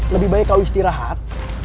lebih baik kau istirahat